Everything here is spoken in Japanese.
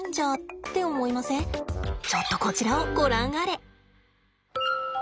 ちょっとこちらをご覧あれ。